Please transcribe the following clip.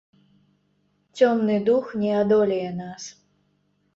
Цёмны дух не адолее нас.